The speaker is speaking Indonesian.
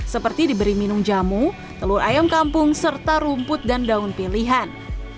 seperti diberi minum jamu telur ayam kampung serta rumput dan daun pilihan